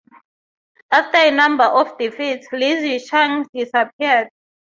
After a number of defeats Li Zicheng disappeared.